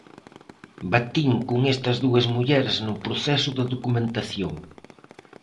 Batín con estas dúas mulleres no proceso de documentación.